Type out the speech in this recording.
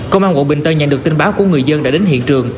công an quận bình tân nhận được tin báo của người dân đã đến hiện trường